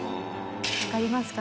わかりますか？